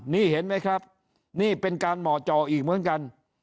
นี่เห็นไหมครับนี่เป็นการเหมาะจออีกเหมือนกัน